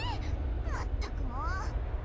まったくもう。